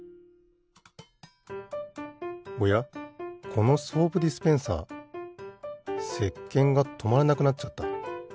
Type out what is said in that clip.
このソープディスペンサーせっけんがとまらなくなっちゃった。